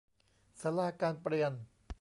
ศาลาการเปรียญ